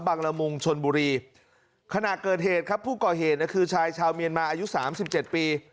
ละมุงชนบุรีขณะเกิดเหตุครับผู้ก่อเหตุคือชายชาวเมียนมาอายุสามสิบเจ็ดปี